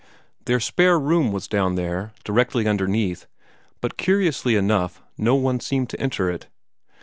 Their spare room was down there, directly underneath, but curiously enough no one seemed to enter it.